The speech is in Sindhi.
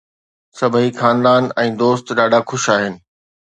سڀئي خاندان ۽ دوست ڏاڍا خوش آهن